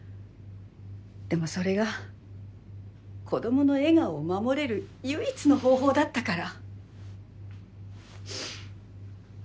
でもそれが子供の笑顔を守れる唯一の方法だったから。